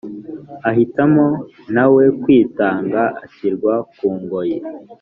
ahitamo nawe kwitanga ashyirwa kungoyi